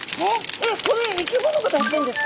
えっこれ生き物が出してんですか？